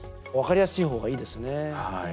分かりやすいほうがいいですね。